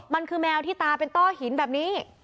มันคือแมวที่ตาเป็นต้อหินแบบนี้